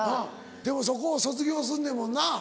でもそこを卒業すんねんもんな。